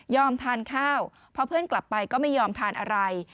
ทานข้าวพอเพื่อนกลับไปก็ไม่ยอมทานอะไร